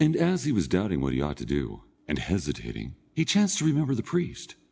As he was doubting what he ought to do, and hesitating, he chanced to remember the priest.